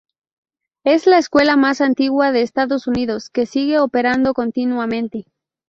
Es la escuela más antigua de Estados Unidos que sigue operando continuamente.